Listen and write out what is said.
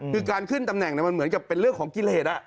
คือการขึ้นตำแหน่งมันเหมือนกับเป็นเรื่องของกิเลส